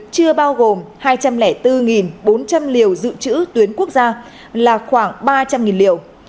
chưa bao gồm hai trăm linh bốn bốn trăm linh liều dự trữ tuyến quốc gia là khoảng ba trăm linh liều